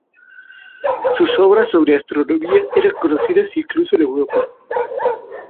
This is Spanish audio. Sus obras sobre astronomía eran conocidas incluso en Europa.